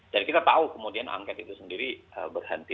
jadi kita tahu kemudian angket itu sendiri berhenti